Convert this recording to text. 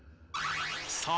さあ